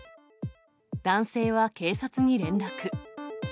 男性は警察に連絡。